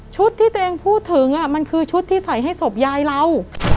ที่ตัวเองพูดถึงมันคือชุดที่ใส่ให้ศพยายเรา